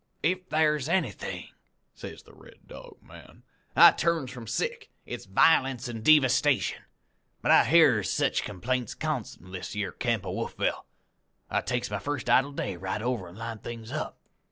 "'If thar's anythin',' says the Red Dog man, 'I turns from sick, it's voylence an' deevastation. But I hears sech complaints constant of this yere camp of Wolfville, I takes my first idle day to ride over an' line things up.